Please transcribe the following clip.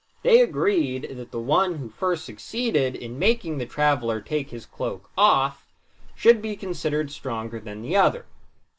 They agreed that the one who first succeeded in making the traveler take his cloak off should be considered stronger than the other.